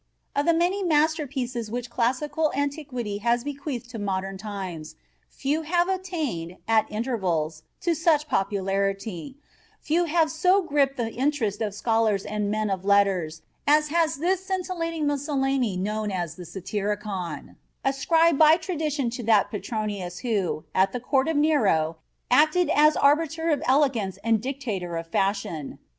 Of the many masterpieces which classical antiquity has bequeathed to modern times, few have attained, at intervals, to such popularity; few have so gripped the interest of scholars and men of letters, as has this scintillating miscellany known as the Satyricon, ascribed by tradition to that Petronius who, at the court of Nero, acted as arbiter of elegance and dictator of fashion.